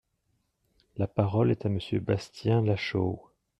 La parole est à Monsieur Bastien Lachaud.